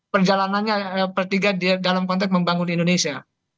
perjalanannya per tiga dalam konteks membangun indonesia